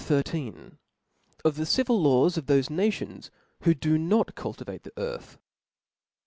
CHAP, XIII. Of the civil Laws of tliofe Nations "who do not cultivate the Earth